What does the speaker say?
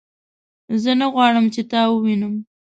زه نه غواړم چې تا ووینم